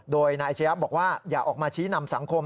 โดยนายอาชญะบอกว่าอย่าออกมาชี้นำสังคม